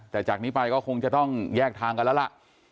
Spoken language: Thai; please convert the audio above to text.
แต่จากนี้ไปก็คงจะต้องแยกทางกันแล้วล่ะ